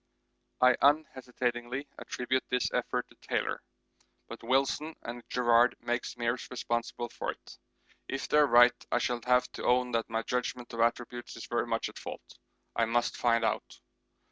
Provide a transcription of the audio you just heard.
I unhesitatingly attribute this effort to Taylor, but Wilson and Garrard make Meares responsible for it. If they are right I shall have to own that my judgment of attributes is very much at fault. I must find out.